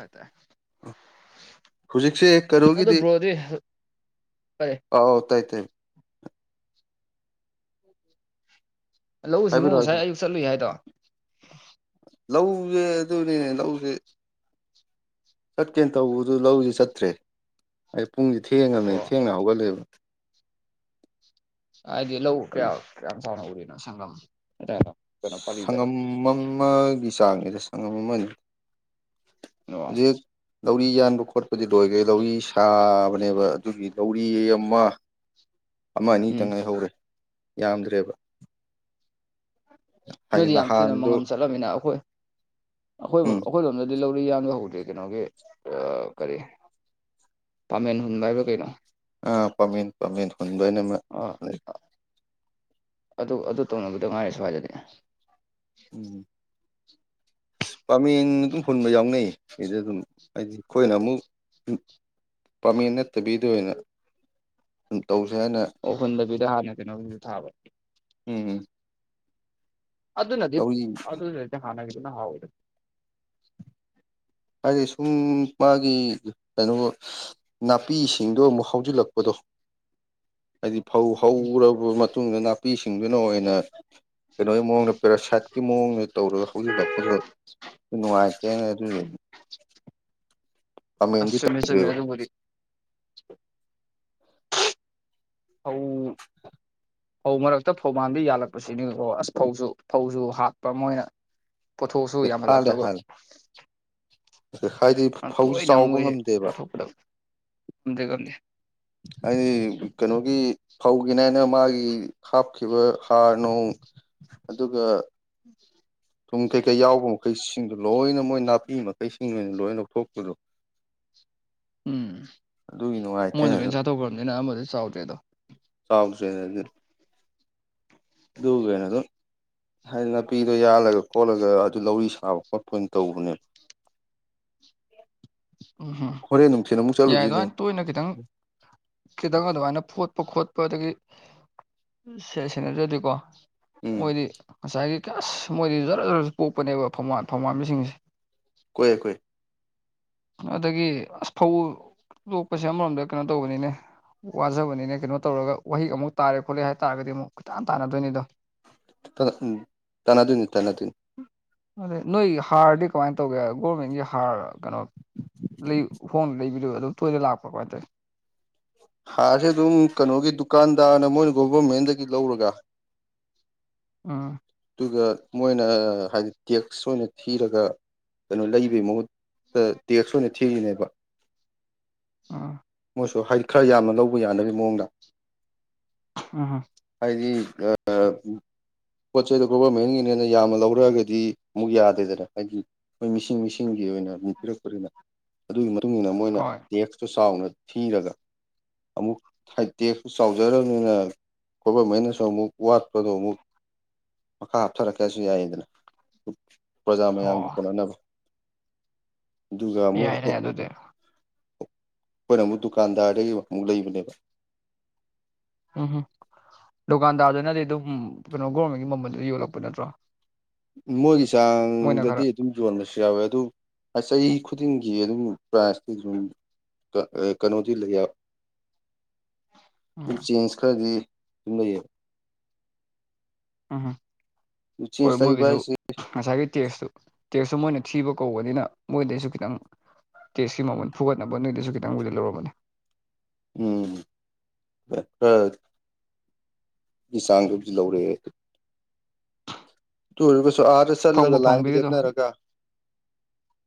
ꯑ ꯇ ꯍꯧꯖꯤꯛꯁꯦ ꯀꯔꯣꯒꯤꯗꯤ ꯀꯔꯤ ꯑꯥꯎ ꯇꯥꯏ ꯇꯥꯏ ꯎ ꯂꯧ ꯁꯤꯡꯨ ꯉꯁꯥꯏ ꯑꯌꯨꯛ ꯆꯠꯂꯨꯏ ꯍꯥꯏꯗꯣ ꯂꯧꯁꯦ ꯑꯗꯨꯅꯦꯅꯦ ꯂꯧꯁꯦ ꯆꯠꯀꯦꯅ ꯇꯧꯕꯗꯨ ꯂꯧꯁꯤ ꯆꯠꯇ꯭ꯔꯦ ꯑꯩ ꯄꯨꯡꯁ ꯊꯦꯡꯉꯕꯅꯤ ꯑꯣ ꯊꯦꯡꯅ ꯍꯧꯒꯠꯂꯦꯕ ꯍꯥꯏꯗꯤ ꯂꯧ ꯀꯌꯥ ꯑꯗꯨꯅ ꯀꯌꯥꯝ ꯆꯥꯎꯅ ꯎꯔꯤꯅꯣ ꯁꯪꯒꯝ ꯍꯥꯏꯇꯥꯣ ꯁꯪꯉꯝ ꯑꯃꯒꯤ ꯆꯥꯡꯅꯦꯗ ꯁꯪꯉꯝ ꯑꯃꯅꯤ ꯑꯣ ꯔꯠ ꯂꯧꯔꯤ ꯌꯥꯟꯕ ꯈꯣꯠꯄꯗꯤ ꯂꯣꯏꯈ꯭ꯔꯦ ꯂꯧꯔꯤ ꯁꯥꯕꯅꯦꯕ ꯑꯗꯨꯒꯤ ꯂꯧꯔꯤ ꯑꯃ ꯑꯃ ꯑꯅꯤ ꯎꯝ ꯇꯪ ꯉꯥꯏ ꯍꯧꯔꯦ ꯌꯥꯝꯗ꯭ꯔꯦꯕ ꯍꯥꯏꯗꯤ ꯅꯣꯏꯗꯤ ꯌꯥꯝ ꯊꯨꯅ ꯅꯍꯥꯟꯗꯣ ꯃꯪꯉꯝ ꯆꯠꯂꯝꯃꯤꯅ ꯑꯩꯈꯣꯏ ꯑꯩꯈꯣꯏꯕꯨ ꯎꯝ ꯑꯩꯈꯣꯏ ꯂꯣꯝꯗꯗꯤ ꯂꯧꯔꯤ ꯌꯥꯕ ꯍꯧꯗꯦ ꯀꯩꯅꯣꯒꯤ ꯀꯔꯤ ꯄꯥꯃꯦꯟ ꯍꯨꯟꯕ ꯍꯥꯏꯕ ꯀꯩꯅꯣ ꯑ ꯄꯥꯝꯃꯟ ꯄꯥꯝꯃꯟ ꯍꯨꯟꯕ ꯑꯣꯏꯅꯃꯛ ꯑ ꯑꯗꯨ ꯑꯗꯨ ꯇꯧꯅꯕꯗꯣ ꯉꯥꯏꯔꯦ ꯁ꯭ꯋꯥꯏꯗꯗꯤ ꯎꯝ ꯑ ꯄꯥꯃꯦꯟ ꯑꯗꯨꯝ ꯍꯨꯟꯕ ꯌꯥꯎꯅꯩꯌꯦ ꯁꯤꯗ ꯑꯗꯨꯝ ꯍꯥꯏꯗꯤ ꯑꯩꯈꯣꯏꯅ ꯑꯃꯨꯛ ꯄꯥꯝꯃꯦ ꯅꯠꯇꯕꯤꯗ ꯑꯣꯏꯅ ꯑꯗꯨꯝ ꯇꯧꯁꯦ ꯍꯥꯏꯅ ꯑꯣ ꯍꯨꯟꯗꯕꯤꯗ ꯍꯥꯟꯅ ꯀꯩꯅꯣꯁꯨ ꯊꯥꯕ ꯎꯝ ꯑꯗꯨ ꯅꯗꯤ ꯇꯧꯔꯤ ꯑꯗꯨ ꯅ ꯍꯅꯒ ꯑꯗꯨꯅ ꯍꯥꯎ ꯍꯥꯏꯗꯤ ꯁꯨꯝ ꯃꯥꯒꯤ ꯀꯩꯅꯣ ꯅꯥꯄꯤꯁꯤꯡꯗꯣ ꯑꯃꯨꯛ ꯍꯧꯖꯤꯜꯂꯛꯄꯗꯣ ꯍꯥꯏꯗꯤ ꯐꯧ ꯎꯝ ꯍꯧꯔꯕ ꯃꯇꯨꯡꯗ ꯅꯥꯄꯤꯁꯤꯡꯗꯨꯅ ꯑꯣꯏꯅ ꯀꯩꯅꯣꯒꯤ ꯃꯑꯣꯡꯗ ꯄꯦꯔꯥꯁꯥꯏꯠꯀꯤ ꯃꯑꯣꯡꯅꯦ ꯇꯧꯔꯒ ꯍꯧꯖꯤꯜꯂ ꯐꯖ ꯅꯨꯡꯉꯥꯏꯇꯦ ꯑꯗꯨꯗꯤ ꯑꯁꯨ ꯃꯁꯨꯃꯦ ꯇꯧꯗ꯭ꯔꯦꯕ ꯑꯗꯨ ꯑꯧ ꯐꯧ ꯃꯔꯛꯇ ꯐꯧ ꯃꯥꯟꯕ ꯌꯥꯜꯂꯛꯄꯁꯤꯅꯤ ꯑꯣ ꯑꯁ ꯐꯧꯁꯨ ꯐꯧꯁꯨ ꯍꯥꯠꯄ ꯃꯣꯏꯅ ꯄꯣꯠꯊꯣꯛꯑꯁꯨ ꯌꯥꯝ ꯍꯥꯜꯂꯦ ꯍꯂꯥꯛꯇꯕ ꯍꯥꯜꯂꯦ ꯍꯥꯏꯗꯤ ꯌꯥꯝ ꯐꯧꯁꯤ ꯇꯣꯏꯅ ꯆꯥꯎꯕ ꯃꯣꯏ ꯉꯝꯗꯦꯕ ꯂꯧꯊꯣꯛꯄꯗ‌ꯣ ꯉꯝꯗꯤ ꯉꯝꯗ ꯑꯩ ꯀꯩꯅꯣꯒꯤ ꯐꯧꯒꯤꯅ‌ꯦꯅ ꯃꯥꯒꯤ ꯍꯥꯞꯈꯤꯕ ꯍꯥꯔ ꯅꯨꯡ ꯑꯗꯨꯒ ꯎꯝ ꯊꯨꯝ ꯀꯩꯀꯩ ꯌꯥꯎꯕ ꯃꯈꯩꯁꯤꯡꯗ‌ꯣ ꯂꯣꯏꯅ ꯃꯣꯏ ꯅꯥꯄꯤ ꯃꯈꯩꯁꯤꯡ ꯑꯣꯏꯅ ꯂꯣꯏꯅ ꯂꯧꯊꯣꯛꯄꯗꯣ ꯎꯝ ꯑꯗꯨꯒꯤ ꯅꯨꯡꯉꯥꯏꯇꯦ ꯃꯣꯏꯅ ꯂ‌ꯣꯏꯟ ꯑꯩꯅꯁꯨ ꯆꯥꯊꯣꯛꯈ꯭ꯔꯕꯅꯤꯅ ꯑꯃꯗꯤ ꯆꯥꯎꯗ꯭ꯔꯦꯗꯣ ꯆꯥꯎꯗ꯭ꯔ‌ꯦ ꯑꯗꯤ ꯑꯗꯨꯒ ꯀꯩꯟꯗꯨꯝ ꯍꯥꯏꯗꯤ ꯅꯥꯄꯤꯗꯣ ꯌꯥꯜꯂꯒ ꯈꯣꯠꯂꯒ ꯑꯗꯨ ꯂꯧꯔꯤ ꯁꯥꯕ ꯈꯣꯠꯄ ꯑꯣꯏꯅ ꯇꯧꯕꯅꯦꯕ [unintelligible] ꯎꯝ ꯎꯝ ꯍꯣꯔꯦꯟ ꯅꯨꯡꯊꯤꯜ ꯑꯃꯨꯛ ꯌꯥꯏ ꯆꯠꯂꯨꯗꯣꯏꯅꯦ ꯑꯗꯨꯃꯥꯏꯅ ꯇꯣꯏꯅ ꯈꯤꯇꯪ ꯈꯤꯇꯪ ꯑꯗꯨꯃꯥꯏꯅ ꯐꯣꯠꯄ ꯈꯣꯠꯄ ꯗꯒꯤ ꯁꯦ ꯁ‌ꯦꯟꯅꯗ꯭ꯔꯗꯤꯀꯣ ꯎꯝ ꯃꯣꯏꯗꯤ ꯉꯁꯥꯏꯒꯤ ꯀꯁ ꯃꯣꯏꯗꯤ ꯖꯔ ꯖꯣꯔꯔꯁꯨ ꯄꯣꯛꯄꯅꯦꯕ ꯐꯧꯃꯥꯟ ꯐꯧꯃꯥꯟꯕꯁꯤꯡꯁꯦ ꯀꯣꯑꯦ ꯀ‌ꯣꯑꯦ ꯑꯗꯒꯤ ꯑꯁ ꯐꯧ ꯂꯣꯛꯄꯁꯦ ꯑꯃꯔꯣꯝꯗ ꯀꯩꯅꯣ ꯇꯧꯕꯅꯤꯅꯦ ꯋꯥꯖꯕꯅꯤꯅ‌ꯦ ꯀꯩꯅꯣ ꯇꯧꯔꯒ ꯋꯥꯍꯩ ꯑꯃꯨꯛ ꯇꯥꯔꯦ ꯈꯣꯠꯂꯦ ꯍꯥꯏꯇꯥꯥꯔꯒꯗꯤ ꯑꯃꯨꯛ ꯀ‌ꯣꯏꯇꯥꯟ ꯇꯥꯟꯅꯗꯣꯏꯅꯤꯗꯣ ꯎꯝ ꯇꯥꯟꯅꯥꯗꯨꯏꯅꯤ ꯇꯥꯟꯅꯗꯨꯏꯅꯤ ꯑꯗꯩ ꯅꯣꯏ ꯍꯥꯔꯗꯤ ꯀꯃꯥꯏ ꯇꯧꯒꯦ ꯒꯣꯔꯃꯦꯟꯒꯤ ꯍꯥꯔ ꯔ‌ꯣ ꯀꯩꯅꯣ ꯂꯩ ꯍꯣꯡꯅ ꯂꯩꯕꯤꯗ‌ꯣ ꯑꯗꯨꯝ ꯇꯣꯏꯅ ꯂꯥꯛꯄ꯭ꯔ‌ꯣ ꯀꯃꯥꯏ ꯇꯧꯏ ꯍꯥꯔꯁꯦ ꯑꯗꯨꯝ ꯀꯩꯅꯣꯒꯤ ꯗꯨꯀꯥꯟꯗꯥꯔꯅ ꯃꯣꯏꯅ ꯒꯣꯕꯔꯃꯦꯟꯗꯒꯤ ꯂꯧꯔꯒ ꯑꯥ ꯑꯗꯨꯒ ꯃꯣꯏꯅ ꯍꯥꯏꯗꯤ ꯇꯦꯛ꯭ꯁ ꯑꯣꯏꯅ ꯊꯤꯔꯒ ꯀꯩꯅꯣ ꯂꯩꯕꯩ ꯃꯍꯨꯠꯇ ꯇꯦꯛꯁ ꯑꯣꯏꯅ ꯊꯤꯔꯤꯅꯦꯕ ꯑ ꯃꯣꯏꯁꯨ ꯍꯥꯏ ꯈꯔ ꯌꯥꯝꯅ ꯂꯧꯕ ꯌꯥꯅꯕꯒꯤ ꯃꯑꯣꯡꯗ ꯎ [unintelligible] ꯍꯥꯏꯗꯤ ꯔꯥ ꯑꯥ ꯄꯣꯠ ꯆꯩꯗꯣ ꯒꯣꯕꯔꯃꯦꯟꯒꯤꯅꯦꯅ ꯌꯥꯝꯅ ꯂꯧꯔꯛꯑꯒꯗꯤ ꯑꯃꯨꯛ ꯌꯥꯗꯦꯗꯅ ꯍꯥꯏꯗꯤ ꯃꯈꯣꯏ ꯃꯤꯁꯤꯡ ꯃꯤꯁꯤꯡꯒꯤ ꯑꯣꯏꯅ ꯑꯗꯨꯝ ꯄꯤꯔꯛꯄꯅꯤꯅ ꯑꯗꯨꯒꯤ ꯃꯇꯨꯡ ꯏꯟꯅ ꯃꯣꯏꯅ ꯍꯣꯏ ꯇꯦꯛꯁꯇꯨ ꯆꯥꯎꯅ ꯊꯤꯔꯒ ꯑꯃꯨꯛ ꯍꯥꯏ ꯇꯦꯛꯁꯁꯨ ꯆꯥꯎꯖꯔꯕꯅꯤꯅ ꯒꯣꯕꯔꯃꯦꯟꯅꯁꯨ ꯑꯃꯨꯛ ꯋꯥꯠꯄꯗꯣ ꯑꯃꯨꯛ ꯃꯈꯥ ꯍꯥꯞꯊꯔꯛꯀꯦꯁꯨ ꯌꯥꯏꯌꯦꯗꯅ ꯄ꯭ꯔꯖꯥ ꯃꯌꯥꯝꯒꯤ ꯑꯣ ꯀꯣꯟꯅꯅꯕ ꯑꯗꯨꯒ ꯃꯨꯛ ꯌꯥꯏꯅꯦ ꯑꯗꯨꯗꯤ ꯑꯩꯈꯣꯏꯅ ꯑꯃꯨꯛ ꯗꯨꯀꯥꯟꯗꯥꯔꯗꯒꯤ ꯑꯃꯨꯛ ꯂꯩꯕꯅꯦꯕ ꯎꯝ ꯍꯝ ꯗꯨꯀꯥꯟꯗꯥꯔꯗꯨꯅꯗꯤ ꯑꯗꯨꯝ ꯀꯩꯅꯣ ꯒꯣꯔꯃꯦꯟꯒꯤ ꯃꯃꯜꯗ ꯌꯣꯜꯂꯛꯄ ꯅꯠꯇ꯭ꯔꯣ ꯃꯣꯏꯒꯤ ꯆꯥꯡ ꯃꯣꯏꯅ ꯗꯗꯤ ꯈꯔ ꯑꯗꯨꯝ ꯌꯣꯟꯕꯁꯨ ꯌꯥꯎꯋꯦ ꯑꯗꯨ ꯆꯍꯤ ꯈꯨꯗꯤꯡꯒꯤ ꯑꯗꯨꯝ ꯄ꯭ꯔꯥꯏꯖꯇꯤ ꯑꯗꯨꯝ ꯀ ꯀꯩꯅꯣꯗꯤ ꯂꯩꯌꯥ ꯑꯗꯨꯝ ꯎꯝ ꯆꯦꯟꯖ ꯈꯔꯗꯤ ꯑꯗꯨꯝ ꯂꯩꯌꯦꯕ ꯎꯝꯍꯝ ꯍꯣꯏ ꯆꯦꯟꯖ ꯂꯩꯕ ꯃꯣꯏꯒꯤꯁꯨ ꯍꯥꯏꯁꯦ ꯉꯁꯥꯏꯒꯤ ꯇꯦꯛꯁꯇꯨ ꯇꯦꯛꯁꯁꯨ ꯃꯣꯏꯅ ꯊꯤꯕ ꯀꯧꯕꯅꯤꯅ ꯃꯣꯏꯗꯩꯁꯨ ꯈꯤꯇꯪ ꯇꯦꯛꯁꯀꯤ ꯃꯃꯜ ꯐꯨꯒꯠꯅꯕ ꯅꯣꯏꯗꯩꯁꯨ ꯈꯤꯇꯪꯕꯨꯗꯤ ꯂꯧꯔꯝꯃꯅ‌ꯦ ꯎꯝ ꯈ ꯈꯔ ꯆꯥꯡꯗꯨꯕꯨꯗꯤ ꯂꯧꯔꯛꯑꯦ ꯑꯗꯨ ꯑꯣꯏꯔꯒꯁꯨ ꯑꯥꯗ ꯐꯪꯕꯨ ꯆꯠꯂꯒ ꯂꯥꯏꯟ ꯀ ꯐꯪꯕꯤꯔꯤꯗꯣ ꯂ‌ꯦꯞꯅꯔꯒ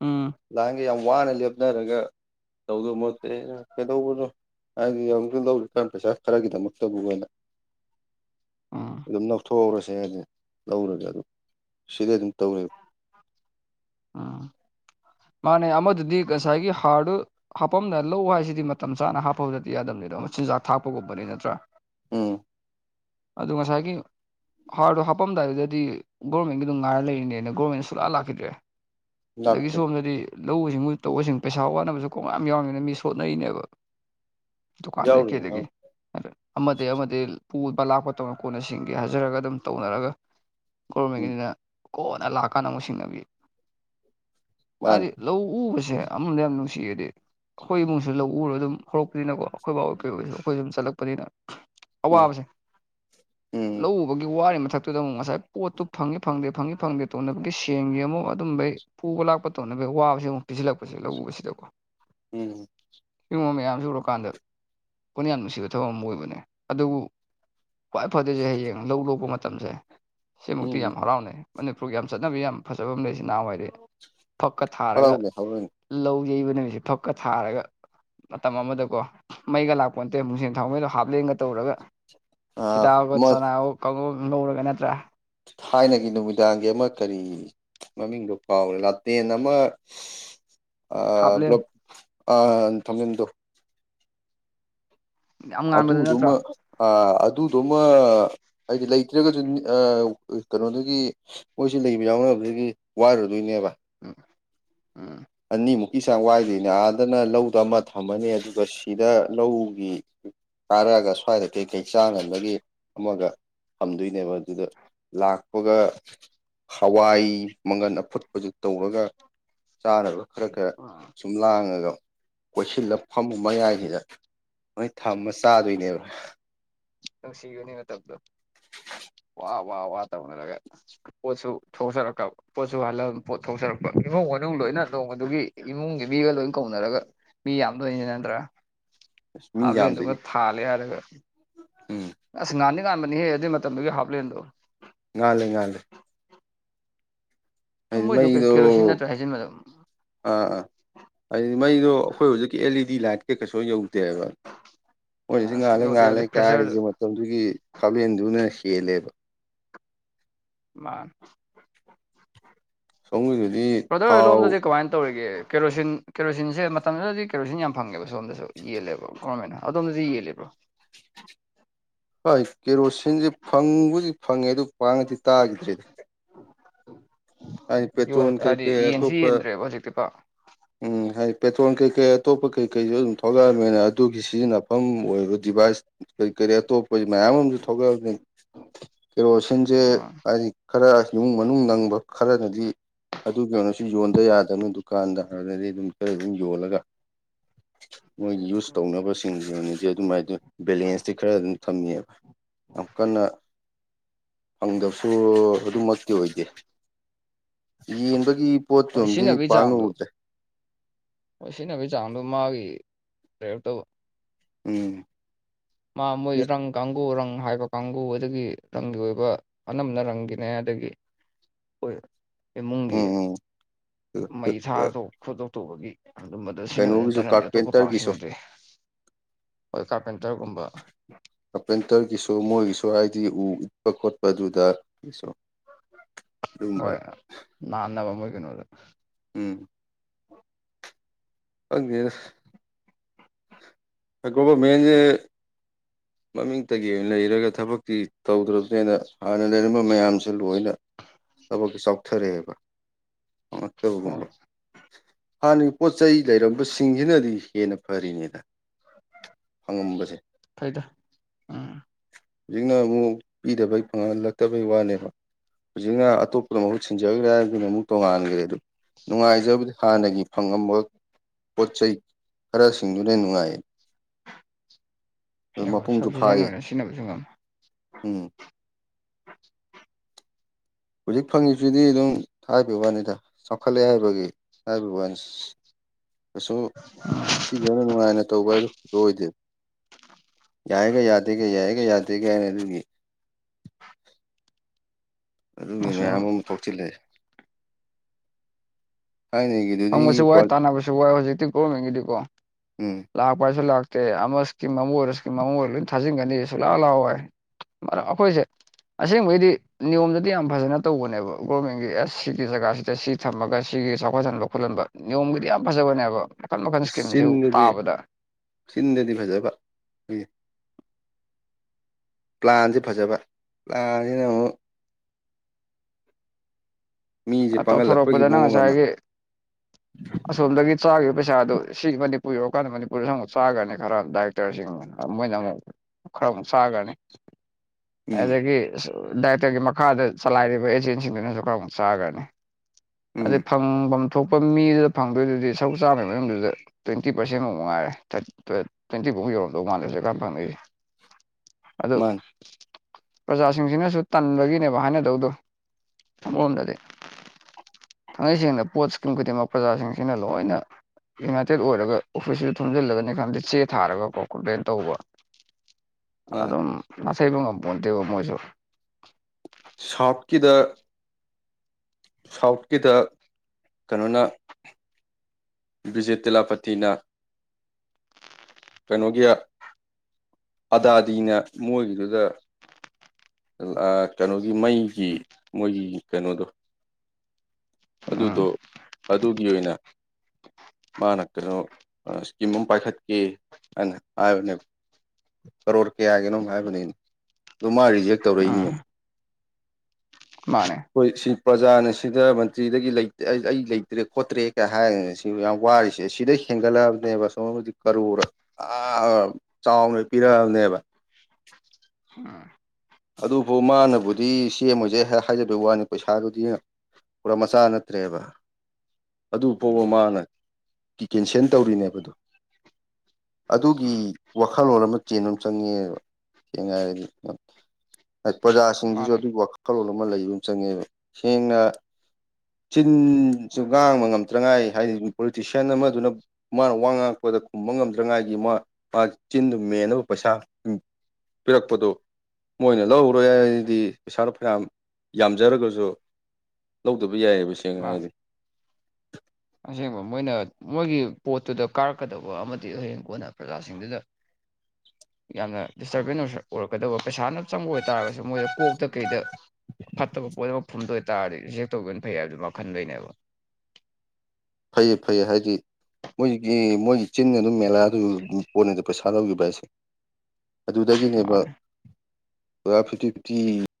ꯎꯝ ꯂꯍꯥꯟꯒ ꯌꯥꯝ ꯋꯥꯅ ꯂꯦꯞꯅꯔꯒ ꯇꯧꯗꯧ ꯃꯣꯠꯇꯦ ꯀꯩꯗꯧꯕꯅꯣ꯫ ꯍꯥꯏꯗꯤ ꯌꯛꯇ ꯂꯧꯔꯤꯀꯥꯟ ꯄꯩꯁꯥ ꯈꯔꯒꯤꯗꯃꯛꯇꯕꯨ ꯑꯣꯏꯅ꯫ ꯎꯝ ꯑꯗꯨꯝ ꯂꯧꯊꯣꯛꯍꯧꯔꯁꯦ ꯍꯥꯏꯗꯤ ꯂꯧꯔꯒꯦ꯫ ꯁꯤꯗꯤ ꯑꯗꯨꯝ ꯇꯧꯔꯦꯕ꯫ ꯎꯝ ꯃꯥꯅꯦ ꯑꯃꯗꯨ ꯗꯒꯁꯒꯤ ꯍꯥꯔꯗꯨ ꯍꯥꯐꯝꯗ ꯂꯧ ꯍꯥꯏꯁꯤꯗꯤ ꯃꯇꯝ ꯆꯥꯅ ꯍꯥꯞꯄꯕꯗꯗꯤ ꯌꯥꯗꯕꯅꯤꯗꯣ ꯃꯆꯤꯟꯖꯥꯛ ꯊꯥꯛꯄꯒꯨꯝꯕꯅꯤ ꯅꯠꯇ꯭ꯔꯥ꯫ ꯎꯝ꯫ ꯑꯗꯨ ꯉꯁꯥꯏꯒꯤ ꯍꯥꯔꯗꯣ ꯍꯥꯞꯄꯝꯗꯥꯏꯗꯨꯗꯗꯤ ꯒꯣꯔꯃꯦꯟꯒꯤ ꯑꯗꯨꯝ ꯉꯥꯏꯔ ꯂꯩꯔꯤꯅꯦꯅ ꯒꯣꯔꯃꯦꯟꯅ ꯁꯨꯛꯂꯥꯛ ꯂꯥꯛꯈꯤꯗ꯭ꯔꯦ꯫ ꯑꯗꯒꯤ ꯂꯥꯛꯇꯦ ꯁꯣꯝꯗꯗꯤ ꯂꯧꯎ ꯁꯤꯡꯎ ꯇꯧꯕꯁꯤꯡ ꯄꯩꯁꯥ ꯋꯥꯅꯕꯁꯨ ꯀꯣꯡ ꯌꯥꯝꯌꯥꯝ ꯌꯥꯎꯅꯤꯅ ꯃꯤ ꯁꯣꯠꯅꯩꯅꯦꯕ꯫ ꯗꯨꯀꯥꯟꯗꯩ ꯌꯥꯎꯔꯤ ꯀꯩꯗꯒꯤ ꯌꯥꯎꯔꯤ ꯑꯗ ꯑꯃꯗꯤ ꯑꯃꯗꯤ ꯄꯨꯕ ꯂꯥꯛꯄ ꯇꯧꯅ ꯀꯣꯟꯅ ꯁꯤꯡꯒꯦ ꯍꯥꯏꯖꯔꯒ ꯑꯗꯨꯝ ꯇꯧꯅꯔꯒ꯫ ꯎꯝ ꯒꯣꯔꯃꯦꯟꯒꯤꯅ ꯀꯣꯟꯅ ꯂꯥꯛꯑꯀꯥꯟꯗ ꯑꯃꯨꯛ ꯁꯤꯡꯅꯕꯤ꯫ ꯍꯥꯏꯗꯤ ꯃꯥꯅꯤ ꯂꯧ ꯎꯕꯁꯦ ꯑꯃꯔꫭꯝꯗ ꯌꯥꯝ ꯅꯨꯡꯁꯤꯌꯦꯗꯤ꯫ ꯑꯩꯈꯣꯏ ꯏꯃꯨꯡꯁꯨ ꯂꯧ ꯎꯔꯒ ꯑꯗꯨꯝ ꯍꯧꯔꯛꯄꯅꯤꯅꯀꯣ ꯑꯩꯈꯣꯏ ꯕꯥꯑꯣꯏ ꯀꯩ ꯑꯣꯏꯁꯨ ꯑꯈꯣꯏꯁꯨ ꯑꯗꯨꯝ ꯆꯠꯂꯛꯄꯅꯤꯅ꯫ ꯎꯝ ꯑꯋꯥꯕꯁꯦ ꯎꯝ ꯂꯧ ꯎꯕꯒꯤ ꯋꯥꯔꯤ ꯃꯊꯛ ꯇꯨꯗ ꯑꯃꯨꯛ ꯉꯁꯥꯏ ꯄꯣꯠꯇꯨ ꯐꯪꯉꯤ ꯐꯪꯗꯦ ꯐꯪꯉꯤ ꯐꯪꯗꯦ ꯇꯧꯟꯅꯕꯒꯤ ꯁꯦꯡꯒꯤ ꯑꯃꯨꯛ ꯑꯗꯨꯝꯕꯩ ꯄꯨꯕ ꯂꯥꯛꯄ ꯇꯧꯅꯕꯩ ꯋꯥꯕꯁꯦ ꯑꯃꯨꯛ ꯄꯤꯁꯤꯜꯂꯛꯄꯁꯦ ꯂꯧ ꯎꯕꯁꯤꯗꯀꯣ꯫ ꯎꯝ꯫ ꯁꯨꯝꯕꯥ ꯃꯌꯥꯝꯁꯦ ꯎꯔꯀꯥꯟꯗ ꯄꯨꯛꯅꯤꯡ ꯌꯥꯝ ꯅꯨꯡꯁꯤꯕ ꯊꯕꯛ ꯑꯃ ꯑꯣꯏꯕꯅꯦ ꯑꯗꯨꯕꯨ ꯈ꯭ꯋꯥꯏ ꯐꯗꯣꯏꯁꯦ ꯍꯌꯦꯡ ꯂꯧ ꯂꯣꯛꯄ ꯃꯇꯝꯁꯦ꯫ ꯁꯤꯃꯨꯛꯇꯤ ꯎꯝ ꯌꯥꯝ ꯍꯔꯥꯎꯅꯩ ꯃꯅꯤꯄꯨꯔꯒꯤ ꯌꯥꯝ ꯆꯠꯅꯕꯤ ꯌꯥꯝ ꯐꯖꯕ ꯑꯃ ꯂꯩ ꯁꯤ ꯅꯍꯥꯋꯥꯏꯗꯒꯤ꯫ ꯐꯛꯀ ꯊꯥꯔꯒ ꯍꯔꯥꯎꯅꯦ ꯍꯧꯔꯅꯤ ꯂꯧ ꯌꯩꯕ ꯅꯨꯃꯤꯠꯁꯦ ꯐꯛꯀ ꯊꯥꯔꯒ ꯃꯇꯝ ꯑꯃꯗꯀꯣ ꯃꯩꯒ ꯂꯥꯛꯄꯣꯟꯇꯦ ꯃꯨꯡꯁꯦꯟ ꯊꯥꯎꯉꯩꯗꯣ ꯍꯥꯞꯂꯦꯟꯒ ꯇꯧꯔꯒ ꯑ ꯍꯤꯗꯥꯛꯒ ꯑꯃ ꯆꯅꯥꯑꫭ ꯀꯥꯉꯩ ꯉꯧꯔꯒ ꯅꯠꯇ꯭ꯔꯥ꯫ ꯊꯥꯏꯅꯒꯤ ꯅꯨꯃꯤꯗꯥꯡꯒꯤ ꯑꯃ ꯀꯔꯤ ꯃꯃꯤꯡꯗꯨ ꯀꯥꯎꯔꯦ ꯂꯥꯇꯦꯟ ꯑꯃꯥ ꯍꯥꯞꯂꯦꯟ [unintelligible] ꯌꯥꯝ ꯉꯥꯟꯕꯗꯨ ꯅꯠꯇ꯭ꯔꯣ ꯑꯗꯨꯗꯨꯃ ꯑꯥ ꯑꯗꯨꯗꯨꯃꯥ ꯍꯥꯏꯗꯤ ꯂꯩꯇ꯭ꯔꯒꯁꯨ ꯑꯥ ꯀꯩꯅꯣꯗꯒꯤ ꯑꯈꯣꯏꯁꯤ ꯂꯩꯕ ꯌꯥꯎꯅꯕꯗꯒꯤ ꯋꯥꯔꯨꯗꯣꯏꯅꯦꯕ꯫ ꯎꯝ꯫ ꯑꯅꯤꯃꯨꯛꯀꯤ ꯆꯥꯡ ꯋꯥꯏꯗꯣꯏꯅꯦ ꯑꯥꯗꯅ ꯂꯧꯗ ꯑꯃ ꯊꯝꯃꯅꯤ ꯑꯗꯨꯒ ꯁꯤꯗ ꯂꯧꯒꯤ ꯀꯥꯔꯛꯑꯒꯥ ꯁ꯭ꯋꯥꯏꯗ ꯀꯩꯀꯩ ꯆꯥꯡꯅꯕꯒꯤ ꯑꯃꯒ ꯊꯝꯗꯣꯏꯅꯦꯕ ꯑꯗꯨꯗ ꯂꯥꯛꯄꯒ ꯍꯋꯥꯏ ꯃꯪꯒꯟ ꯑꯐꯨꯠꯄꯁꯨ ꯇꯧꯔꯒ ꯆꯥꯅꯕ ꯈꯔ ꯈꯔ ꯎꯝ ꯁꯨꯝ ꯂꯥꯡꯉꯥꯒ ꯀꯣꯏꯁꯤꯜꯂꯒ ꯐꯝꯃ ꯃꯌꯥꯏꯁꯤꯗ ꯂꯣꯏ ꯊꯝꯃꯥ ꯆꯥꯗꯣꯏꯅꯦꯕ꯫ ꯅꯨꯡꯁꯤꯕꯥꯅꯤ ꯃꯇꯝꯗꯣ꯫ ꯋꯥ ꯋꯥ ꯋꯥ ꯇꯧꯅꯔꯒ ꯄꯣꯠꯁꯨ ꯊꯣꯛꯆꯔꯛ ꯄꯣꯠꯁꯨ ꯍꯜꯂꯥ ꯄꯣꯠ ꯊꯣꯛꯆꯔꯛꯄ ꯏꯃꯨꯡ ꯃꯅꯨꯡ ꯂꯣꯏꯅ ꯅꯣꯡꯃꯗꯨꯒꯤ ꯏꯃꯨꯡꯒꯤ ꯃꯤꯒ ꯂꯣꯏ ꯀꯧꯅꯔꯒ ꯃꯤ ꯌꯥꯝꯗꯣꯏꯅꯦ ꯅꯠꯇ꯭ꯔꯥ ꯃꯤ ꯍꯥꯞꯂꯦꯟ ꯗꯨꯒ ꯌꯥꯝꯗꯣꯏꯅꯦ ꯊꯥꯜꯂꯦ ꯍꯥꯏꯔꯒ꯫ ꯎꯝ ꯑꯁ ꯉꯥꯟꯗꯤ ꯉꯥꯟꯕꯅꯤꯍꯦ ꯑꯗꯨꯏ ꯃꯇꯝꯗꯨꯒꯤ ꯍꯥꯞꯂꯦꯟꯗꯣ꯫ ꯉꯥꯜꯂꯦ-ꯉꯥꯜꯂꯦ꯫ ꯀꯥ ꯍꯥꯏꯗꯤ ꯃꯣꯏꯗꯣ ꯀꯩ ꯃꯩꯗꯣ ꯀꯦꯔꯣꯁꯤꯟ ꯅꯠꯇ꯭ꯔꯦ ꯍꯥꯏꯖꯤꯟꯕꯗꯣ꯫ ꯑꯥ ꯑꯥ ꯍꯥꯏꯗꯤ ꯃꯩꯗꯣ ꯑꯈꯣꯏ ꯍꯧꯖꯤꯛꯀꯤ ꯑꯦꯜ ꯏ ꯗꯤ ꯂꯥꯏꯠ ꯀꯥ ꯀꯩꯁꯨ ꯌꯧꯗꯦ ꯍꯥꯏꯕ꯫ ꯃꯣꯏꯁꯤꯗꯤ ꯑꯁ ꯉꯥꯜꯂꯦ ꯌꯧꯗꯦ ꯉꯥꯜꯂꯦ ꯌꯧꯗꯦ ꯀꯥ ꯄ꯭ꯔꯦꯁꯔꯗꯨ ꯍꯥꯏꯔꯤꯁꯦ ꯃꯇꯝꯗꯨꯒꯤ ꯍꯥꯞꯂꯦꯟꯗꯨꯅ ꯍꯦꯜꯂꯦꯕ꯫ ꯃꯥꯅꯤ꯫ ꯁꯣꯝꯒꯤꯗꯨꯗꯤ ꯕ꯭ꯔꯥꯗꯥꯥꯔ ꯍꯣꯏ ꯊꯥꯎ ꯂꯣꯝꯗꯗꯤ ꯀꯃꯥꯏꯅ ꯇꯧꯔꯤꯒꯦ꯫ ꯀꯦꯔꯣꯁꯤꯟ ꯀꯦꯔꯣꯁꯤꯟꯁꯦ ꯃꯇꯝꯗꯨꯗꯗꯤ ꯀꯦꯔꯣꯁꯤꯟ ꯌꯥꯝ ꯐꯪꯉꯦꯕ ꯁꯣꯝꯗꯁꯨ ꯌꯦꯜꯂꯦꯕ ꯒꯣꯔꯃꯦꯟꯅ ꯑꯗꯣꯝꯗꯗꯤ ꯌꯦꯜꯂꯤꯕꯥ ꯍꯣꯏ ꯀꯦꯔꯣꯁꯤꯟꯁꯦ ꯐꯪꯕꯨꯗꯤ ꯐꯪꯉꯦ ꯑꯗꯨ ꯄꯥꯛꯅꯗꯤ ꯇꯥꯈꯤꯗ꯭ꯔꯦ ꯌꯣꯟ ꯄꯦꯇ꯭ꯔꯣꯜ ꯍꯥꯏꯗꯤ ꯀꯩꯀꯩ ꯌꯦꯟꯁꯨ ꯑꯇꯣꯞꯄ ꯌꯦꯟꯗ꯭ꯔꯦꯕ ꯍꯧꯖꯤꯛꯇꯤ ꯎꯝ ꯍꯥꯏꯗꯤ ꯄꯦꯇ꯭ꯔꯣꯜ ꯀꯩꯀꯩ ꯑꯇꯣꯞꯄ ꯀꯩꯀꯩꯁꯨ ꯑꯗꯨꯝ ꯊꯣꯛꯂꯛꯑꯕꯅꯤꯅ ꯑꯗꯨꯒꯤ ꯁꯤꯖꯤꯟꯅꯐꯝ ꯑꯣꯏꯔꯣ ꯗꯤꯚꯥꯏ ꯀꯔꯤ ꯀꯔꯤ ꯑꯇꯣꯞꯄ ꯃꯌꯥꯝ ꯑꯃꯁꯨ ꯊꯣꯛꯂꯛꯑꯥꯕꯅꯤꯅ ꯀꯦꯔꯣꯁꯤꯟꯁꯦ ꯎꯝ ꯍꯥꯏꯗꯤ ꯈꯔꯥ ꯏꯃꯨꯡ ꯃꯅꯨꯡ ꯅꯪꯕ ꯈꯔꯅꯗꯤ ꯑꯗꯨ ꯀꯩꯅꯣꯁꯨ ꯌꯣꯟꯗ ꯌꯥꯗꯕꯅꯤꯅ ꯗꯨꯀꯥꯟꯗꯗꯥꯔꯅꯗꯤ ꯑꯗꯨꯝ ꯈꯔ ꯑꯗꯨꯝ ꯌꯣꯜꯂꯒ ꯃꯣꯏꯒꯤ ꯌꯨꯁ ꯇꯧꯅꯕꯁꯤꯡꯗꯨ ꯑꯣꯏꯅꯗꯤ ꯑꯗꯨꯃꯥꯏꯅ ꯕꯦꯂꯦꯟꯁꯇꯤ ꯈꯔ ꯑꯗꯨꯝ ꯊꯝꯃꯦꯕ ꯌꯥꯝ ꯀꯟꯅ ꯐꯪꯗꯕꯁꯨ ꯑꯗꯨꯃꯛꯇꯤ ꯑꯣꯏꯗꯦ ꯌꯦꯟꯕꯒꯤ ꯍꯣꯏ ꯄꯣꯠꯇꯨꯝꯃꯥꯗꯤ ꯁꯤꯖꯤꯟꯅꯕꯒꯤ ꯄꯥꯛꯅ ꯆꯥꯡꯗꯣ ꯎꯗ꯭ꯔꯦ ꯍꯣꯏ ꯁꯤꯖꯤꯟꯅꯕꯒꯤ ꯆꯥꯡꯗꯣ ꯃꯥꯒꯤ ꯂꯩꯔꯛꯇꯥꯕ ꯎꯝ ꯃꯥ ꯃꯣꯏ ꯔꯪ ꯀꯥꯡꯕꯨ ꯔꯪ ꯍꯥꯢ ꯀꯥꯡꯕꯨ ꯑꯗꯒꯤ ꯔꯪꯒꯤ ꯑꯣꯏꯕ ꯑꯅꯝꯕꯅ ꯔꯪꯒꯤꯅꯦ ꯑꯗꯒꯤ ꯏꯃꯨꯡꯒꯤ ꯎꯝ ꯎꯝ ꯃꯩ ꯊꯥꯗ ꯈꯣꯠꯇꯣꯛ ꯇꯧꯕꯒꯤ ꯑꯗꯨꯝꯕꯗ ꯁꯤꯖꯤꯟꯅꯕ ꯀꯩꯅꯣꯒꯤꯁꯨ ꯅꯠꯇꯅꯗꯤ ꯑꯇꯣꯞꯄ ꯄꯥꯛ ꯀꯥꯔꯄꯦꯟꯇꯔꯒꯤꯁꯨ ꯁꯤꯖꯤꯟꯅꯗꯔꯦ ꯍꯣꯏ ꯀꯥꯔꯄꯦꯟꯇꯔꯒꯨꯝꯕ ꯀꯥꯔꯄꯦꯟꯇꯔꯒꯤꯁꯨ ꯃꯣꯏꯒꯤꯁꯨ ꯍꯥꯏꯗꯤ ꯎ ꯀꯛꯄ ꯑꯗꯨꯗꯁꯣ ꯝꯕꯥꯔ [inaudible] ꯅꯅꯦ ꯃ ꯃ ꯀꯅꯣꯦ [inaudible] ꯎꯝ ꯈꯪꯗꯦꯗꯥ ꯒꯣꯔꯕꯥꯔꯃꯦꯟꯁꯦ ꯃꯃꯤꯡꯇꯒꯤ ꯑꯣꯏꯅ ꯂꯩꯔꯒ ꯊꯕꯛꯇꯤ ꯇꯧꯗ꯭ꯔꯕꯅꯦꯅ ꯍꯥꯟꯅ ꯂꯩꯔꯝꯕ ꯃꯌꯥꯝ ꯁꯨ ꯂꯣꯏꯅ ꯊꯕꯛꯁꯦ ꯆꯥꯎꯊꯔꯛꯑꯦꯕ ꯐꯪꯉꯥꯛꯇꯕꯒꯨꯝꯕ ꯍꯣꯏ ꯍꯥꯟꯅꯒꯤ ꯄꯣꯠ ꯆꯩ ꯂꯩꯔꯝꯕꯁꯤꯡꯁꯤꯅꯗꯤ ꯍꯦꯟꯅ ꯐꯔꯤꯅꯤꯗ ꯐꯪꯉꯝꯕꯁꯦ ꯐꯩꯗ ꯎꯝ ꯍꯧꯖꯤꯛꯅ ꯑꯃꯨꯛ ꯄꯤꯗꯕꯩ ꯐꯪꯍꯜꯂꯛꯇꯕꯩ ꯋꯥꯅꯦꯕ ꯍꯧꯖꯤꯛꯅ ꯑꯇꯣꯞꯄꯗ ꯃꯍꯨꯠ ꯁꯤꯟꯖꯈ꯭ꯔꯦ ꯍꯥꯏꯗꯨꯅ ꯑꯃꯨꯛ ꯇꯣꯡꯉꯥꯟꯈ꯭ꯔꯦ ꯑꯗꯨ ꯅꯨꯡꯉꯥꯏꯖꯕꯗꯤ ꯍꯥꯟꯅꯒꯤ ꯐꯪꯉꯝꯕ ꯄꯣꯠ ꯆꯩꯩ ꯈꯔꯁꯤꯡꯗꯨꯅ ꯅꯨꯡꯉꯥꯏꯌꯦ ꯑꯗꯨ ꯑꯌꯦꯡꯕ ꯃꯄꯨꯡꯁꯨ ꯁꯐꯤꯖꯟ ꯐꯥꯏꯌꯦ ꯑꯣꯏꯅ ꯁꯤꯖꯤꯟꯅꯕꯁꯨ ꯉꯝꯃꯣꯢ ꯎꯝ [unintelligible] ꯍꯧꯖꯤꯛ ꯐꯪꯉꯤꯁꯤꯗꯤ ꯑꯗꯨꯝ ꯍꯥꯏꯕ ꯋꯥꯅꯤꯗ ꯆꯥꯎꯈꯜꯂꯦ ꯍꯥꯏꯕꯒꯤ ꯍꯥꯏꯕ ꯋꯥꯅꯤ ꯑꯗꯨꯁꯨꯨꯝ [inaudible] [inaudible] ꯁꯤꯖꯤꯅ ꯅꯨꯡꯉꯥꯏꯅ ꯇꯧꯕ ꯍꯥꯏꯗꯨ ꯑꯣꯏꯗꯦꯕ ꯌꯥꯏꯒ ꯌꯥꯗꯦꯒꯦ ꯌꯥꯏꯒ ꯌꯥꯗꯦꯒꯦ ꯍꯥꯏꯅ ꯑꯗꯨꯒꯤ ꯑꯗꯨꯒꯤ ꯃꯌꯥꯝ ꯑꯁꯦꯡꯕ ꯑꯃ ꯊꯣꯛꯆꯤꯜꯂꯛꯑꯦ ꯊꯥꯏꯅꯒꯤ ꯐꯪꯕꯁꯨ ꯋꯥꯏ ꯇꯥꯟꯅꯕꯁꯨ ꯋꯥꯏ ꯍꯧꯖꯤꯛꯇꯤ ꯒꯣꯔꯃꯦꯟꯒꯤꯗꯤꯀꯣ ꯎꯝ ꯂꯥꯛꯄ ꯍꯥꯏꯁꯨ ꯂꯥꯛꯇꯦ ꯑꯃꯒꯤꯁꯨ ꯢꯁꯒꯤꯝ ꯑꯃ ꯑꯣꯏꯔꯣ ꯑꯃ ꯑꯣꯏꯔꯣ ꯂꯣꯏꯅ ꯊꯥꯖꯤꯟꯒꯅꯤ ꯁꯧꯡꯂꯥꯛ ꯂꯥꯛꯑꯣꯏ ꯃꯥꯅꯦ ꯑꯩꯈꯣꯏꯁꯦ ꯑꯁꯦꯡꯕꯩꯗꯤ ꯅꯤꯌꯣꯝꯗꯗꯤ ꯌꯥꯝ ꯐꯖꯅ ꯇꯧꯕꯅꯦꯕ ꯒꯣꯔꯃꯦꯟꯒꯤ ꯑꯦꯁ ꯁꯤꯒꯤ ꯖꯒꯥꯁꯤꯗ ꯁꯤ ꯊꯝꯃꯒ ꯁꯤꯒꯤ ꯆꯥꯎꯈꯠꯍꯟꯕ ꯈꯣꯠꯍꯟꯕ ꯅꯤꯌꯣꯝꯒꯤꯗꯤ ꯌꯥꯝ ꯐꯖꯕꯅꯦꯕ ꯃꯈꯟ ꯃꯈꯟ ꯁ꯭ꯀꯤꯝꯁꯤ ꯆꯤꯟꯗꯗꯤ ꯇꯥꯕꯗ ꯆꯤꯟꯗꯗꯤ ꯐꯖꯕ ꯑꯩꯈꯣꯏꯒꯤ ꯄ꯭ꯂꯥꯟꯗꯤ ꯐꯖꯕ ꯄ꯭ꯂꯥꯟꯁꯤꯅ ꯑꯃꯨꯛ ꯃꯤꯁꯦ ꯄꯥꯡꯍꯜꯂꯛꯄꯒꯤ ꯇꯧꯊꯣꯔꯛꯄꯗꯅ ꯃꯑꯣꯡ ꯑꯃ ꯉꯁꯥꯏꯒꯤ ꯑꯁꯣꯝꯗꯒꯤ ꯆꯥꯈꯤꯕ ꯄꯩꯁꯥꯗꯨ ꯁꯤ ꯃꯅꯤꯄꯨꯔ ꯌꯧꯔꯀꯥꯟꯗ ꯃꯅꯤꯄꯨꯔꯗ ꯁ ꯑꯃꯨꯛ ꯆꯥꯈ꯭ꯔꯅꯤ ꯈꯔ ꯗꯥꯏꯔꯦꯛ ꯗꯔꯁꯤꯡꯅ ꯃꯣꯏꯅ ꯑꯃꯨꯛ ꯈꯔ ꯑꯃꯨꯛ ꯆꯥꯈ꯭ꯔꯅꯤ ꯎꯝ ꯑꯗꯒꯤ ꯗꯥꯏꯇꯔꯒꯤ ꯃꯈꯥꯗ ꯆꯂꯥꯏꯔꯤꯕ ꯑꯦꯖꯦꯟꯁꯤꯡꯗꯨꯅꯁꯨ ꯈꯔꯥ ꯑꯃꯨꯛ ꯆꯥꯒꯔꯅꯤ ꯎꯝ ꯑꯗꯩ ꯐꯪꯐꯝ ꯊꯣꯛꯄ ꯃꯤꯗꯨꯗ ꯐꯪꯗꯣꯏꯗꯨꯗꯤ ꯁꯔꯛ ꯆꯥꯅꯕꯅꯕꯗꯨꯗ ꯇ꯭ꯋꯦꯟꯇꯤ ꯄꯔꯦꯟꯃꯐꯥꯎꯛ ꯉꯥꯏꯦ ꯇ꯭ꯋꯦꯟꯇꯤꯐꯥꯎ ꯌꯧꯔꯝꯗꯧ ꯃꯥꯟꯗꯁꯨ ꯀꯔꯝ ꯐꯪꯅꯩꯦ [inaudible] ꯑꯗꯨ ꯃꯥꯅꯤ ꯄ꯭ꯔꯖꯥꯁꯤꯡꯁꯤꯅꯁꯨ ꯇꯟꯕꯒꯤꯅꯦꯕ ꯍꯥꯏꯅꯗꯧꯗꯣ ꯑꯃꯛꯔꯣꯝꯗꯗꯤ ꯊꯥꯡꯃꯩ ꯁꯦꯡꯅ ꯄꯣꯠ ꯁ꯭ꯀꯤꯝ ꯈꯨꯗꯤꯡꯃꯛ ꯄ꯭ꯔ. ꯖꯥꯁꯤꯡꯁꯤꯅ ꯂꯣꯏꯅ ꯌꯨꯅꯥꯏꯇꯦꯠ ꯑꯣꯏꯔꯒ ꯑꯣꯐꯤꯁꯇ ꯊꯣꯝꯖꯤꯜꯂꯒꯅꯤ ꯈꯟꯗꯦ ꯆꯦ ꯊꯥꯔꯒ ꯀꯣ ꯀꯝꯄ꯭ꯂꯦꯟ ꯇꯧꯕ [inaudible] ꯑꯗꯨ. ꯝ ꯅꯥꯊꯩꯕ ꯉꯝꯄꯣꯟꯗꯦꯕ ꯃꯣꯏꯁꯨ ꯁꯥꯎꯠꯀꯤꯗ ꯁꯥꯎꯠꯀꯤꯗ ꯀꯩꯅꯣꯅ ꯕꯤꯖꯦꯠ ꯇꯤꯂꯥꯄꯇꯤꯅ ꯀꯩꯅꯣꯒꯤ ꯑꯗꯥꯗꯤꯅ ꯃꯣꯏꯒꯤꯗꯨꯗ ꯀꯩꯅꯣꯒꯤ ꯃꯩꯒꯤ ꯃꯣꯏꯒꯤ ꯀꯩꯅꯣꯗꯣ ꯑꯗꯨꯗ ꯑꯗꯨꯒꯤ ꯑꯣꯏꯅ ꯃꯥꯅ ꯀꯩꯅꯣ ꯏꯁꯀꯤꯝ ꯑꯃ ꯄꯥꯏꯈꯠꯀ ꯑ ꯍꯥꯏꯕꯅꯦ ꯀꯔꯣꯔ ꯀꯌꯥꯒꯤꯅꯣ ꯍꯥꯏꯕꯅꯤꯅ ꯑꯗꯨ ꯃꯥ ꯔꯤꯖꯦꯛ ꯇꯧꯔꯛꯏꯅꯤ ꯑꯃꯡꯨꯛ ꯃꯥꯅꯦ ꯍꯣꯏ ꯁꯤ ꯄ꯭ꯔꯖꯥꯅ ꯁꯤꯗ ꯃꯟꯇ꯭ꯔꯤꯗꯒꯤꯇ ꯑꯩ ꯑꯩ ꯂꯩꯇ꯭ꯔꯦ ꯈꯣꯠꯇ꯭ꯔꯦ ꯀ ꯍꯥꯏꯔ ꯁꯤ ꯁꯤ ꯌꯥꯝ ꯋꯥꯔꯤꯁꯦ ꯁꯤꯗ ꯍꯦꯟꯒꯠꯂꯛꯑꯕꯅꯦꯕ ꯁꯣꯝꯕꯨꯗꯤ ꯀꯔꯨꯔ ꯌꯥꯝ ꯆꯥꯎꯅ ꯄꯤꯔꯛꯑꯕꯅꯦꯕ ꯑ ꯑꯗꯨꯕꯨ ꯃꯥꯅꯕꯨꯗꯤ ꯁꯦꯝ ꯃꯣꯏꯁꯦ ꯍꯥꯏꯖꯗꯩ ꯋꯥꯅꯤ ꯄꯩꯁꯥꯗꯨꯗꯤ ꯄꯨꯔꯥ ꯃꯁꯥ ꯅꯠꯇ꯭ꯔꯦꯕ ꯑꯗꯨ ꯐꯥꯎꯕ ꯃꯥꯅ ꯀꯦꯟꯁꯦꯜ ꯇꯧꯔꯤꯅꯦꯕꯗꯨ ꯑꯗꯨꯒꯤ ꯋꯥꯈꯜꯂꯣꯟ ꯑꯃ ꯆꯦꯟꯕ ꯑꯃ ꯆꯪꯉꯦꯕ ꯊꯦꯡꯅ ꯍꯥꯏꯔꯗꯤ ꯄ꯭ꯔꯖꯥꯁꯤꯡꯁꯤꯁꯨ ꯑꯗꯨꯒꯤ ꯋꯥꯈꯜꯂꯣꯟ ꯑꯃ ꯂꯩꯕ ꯑꯃ ꯆꯪꯉꯦꯕ ꯁꯦꯡꯅ ꯆꯤꯟꯁꯨ ꯉꯥꯡꯕ ꯉꯝꯇ꯭ꯉꯥꯏ ꯍꯥꯏꯗꯤ ꯄꯣꯂꯤꯇꯤꯁꯤꯌꯥꯟ ꯑꯃꯗꯨꯅ ꯃꯥꯅ ꯋꯥ ꯉꯥꯡꯉꯛꯄꯗ ꯈꯨꯝꯕ ꯉꯝꯗ꯭ꯉꯥꯏꯒꯤ ꯃꯥ ꯃꯥ ꯆꯤꯟꯗꯨ ꯃꯦꯟꯅꯕ ꯄꯩꯁꯥ ꯄꯤꯔꯛꯄꯗꯨ ꯃꯣꯏꯅ ꯂꯧꯍꯔꯣꯏ ꯍꯥꯏꯗꯤ ꯄꯩꯁꯥꯗ ꯐꯌꯥꯝ ꯌꯥꯝꯖꯔꯒꯁꯨ ꯂꯧꯗꯕ ꯌꯥꯏꯑꯕ ꯁꯦꯡꯅꯔꯗꯤ ꯑꯁꯦꯡꯕ ꯃꯣꯏꯅ ꯃꯣꯏꯒꯤ ꯄꯣꯠꯇꯨꯗ ꯀꯥꯔꯛꯀꯗꯕ ꯑꯃꯗꯤ ꯍꯌꯦꯡ ꯀꯣꯟꯅ ꯄ꯭ꯔꯖꯥꯁꯤꯡꯗꯨꯗ [unintelligible] ꯌꯥꯝꯅ ꯗꯤꯁꯇꯔꯕꯦꯟ ꯑꯣꯏꯔꯛꯀꯗꯕ ꯄꯩꯁꯥꯅ ꯆꯪꯕ ꯑꯣꯏꯇꯥꯥꯔꯒꯁꯨ ꯃꯣꯏꯗ ꯀꯣꯛꯇ ꯀꯩꯗ ꯐꯠꯇꯕ ꯄꯣꯠ ꯑꯃ ꯐꯨꯝꯗꯣꯏ ꯇꯇꯥꯔꯗꯤ ꯔꯤꯖꯦꯛ ꯇꯧꯗꯅ ꯐꯩ ꯍꯥꯏꯕꯗꯨꯣꯃ ꯈꯟꯗꯣꯏꯅꯦꯕ ꯐꯩ ꯐꯩ ꯍꯥꯏꯗꯤ ꯃꯣꯏꯒꯤ ꯃꯣꯏꯒꯤ ꯆꯤꯤꯟ ꯑꯗꯨꯝ ꯃꯦꯂꯥꯗꯨ ꯄꯣꯟꯅꯤꯗ ꯄꯩꯁꯥ ꯂꯧꯈꯤꯕ ꯍꯥꯏꯁꯦ ꯑꯗꯨꯗꯒꯤꯅꯦꯕ ꯃꯥꯅꯦ ꯑꯣꯥ ꯐꯤꯐꯇꯤ ꯐꯤꯐꯇꯤ